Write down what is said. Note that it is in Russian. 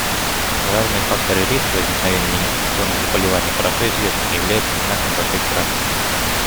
Главные факторы риска возникновения неинфекционных заболеваний хорошо известны и являются одинаковыми во всех странах.